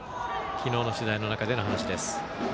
昨日の取材の中での話です。